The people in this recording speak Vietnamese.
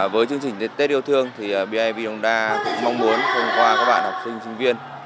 với chương trình tết yêu thương bidv cũng mong muốn hôm qua các bạn học sinh sinh viên